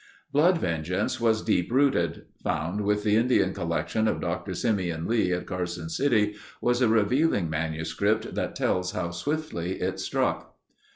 Blood vengeance was deep rooted. Found with the Indian collection of Dr. Simeon Lee at Carson City was a revealing manuscript that tells how swiftly it struck.